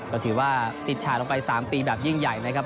ก็ถือว่าติดฉายลงไป๓ปีแบบยิ่งใหญ่นะครับ